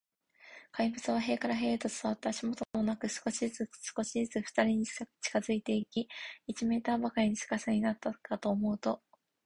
怪物は塀から塀へと伝わって、足音もなく、少しずつ、少しずつ、ふたりに近づいていき、一メートルばかりの近さになったかと思うと、